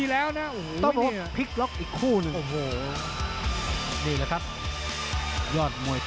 เผ่าฝั่งโขงหมดยก๒